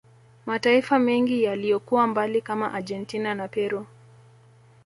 Mataifa mengi yaliyokuwa mbali kama Argentina na Peru